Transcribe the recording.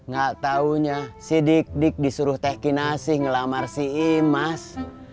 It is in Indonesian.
gak taunya si dik dik disuruh teh kinasi ngelamar si imas